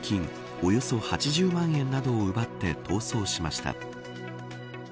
およそ８０万円などを奪って逃走しました。